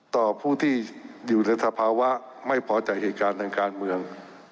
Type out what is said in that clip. ต่อผู้ที่อยู่ในสภาวะไม่พอใจเหตุการณ์ทางการเมือง